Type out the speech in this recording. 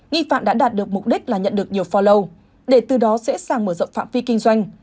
nghi phạm đã đạt được mục đích là nhận được nhiều forexu để từ đó dễ dàng mở rộng phạm vi kinh doanh